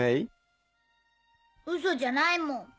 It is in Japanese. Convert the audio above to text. ウソじゃないもん。